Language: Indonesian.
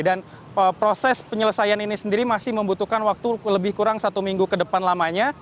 dan proses penyelesaian ini sendiri masih membutuhkan waktu lebih kurang satu minggu ke depan lamanya